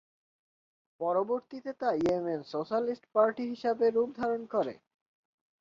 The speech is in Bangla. পরবর্তীতে তা ইয়েমেন সোশ্যালিস্ট পার্টি হিসেবে রূপ ধারণ করে।